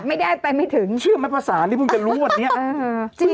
ไม่ได้ไปไม่ถึงเชื่อไหมภาษาที่เพิ่งจะรู้วันนี้